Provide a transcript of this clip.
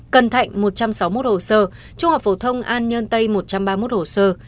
cần thạnh một trăm sáu mươi một hồ sơ trung học phổ thông an nhân tây một trăm ba mươi một hồ sơ